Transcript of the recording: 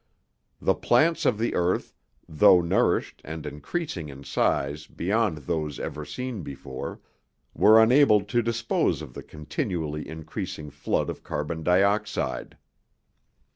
The plants of the earth, though nourished and increasing in size beyond those ever seen before, were unable to dispose of the continually increasing flood of carbon dioxide.